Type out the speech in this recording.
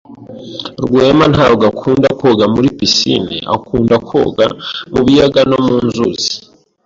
Rwema ntabwo akunda koga muri pisine. Akunda koga mu biyaga no mu nzuzi.